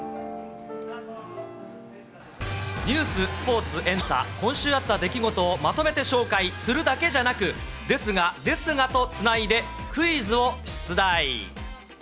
ニュース、スポーツ、エンタ、今週あった出来事をまとめて紹介するだけじゃなく、ですが、ですがとつないでクイズを出題。